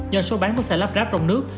do số bán của sản lắp ráp trong nước